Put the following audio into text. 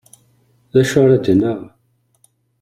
D acu ara ad d-naɣ?